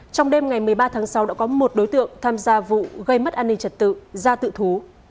trong đêm ngày một mươi ba tháng sáu đã có một đối tượng tham gia vụ gây mất an ninh trật tự ra tự thú